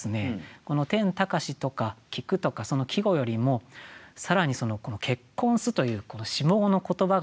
この「天高し」とか「菊」とかその季語よりも更にこの「結婚す」というこの下五の言葉がですね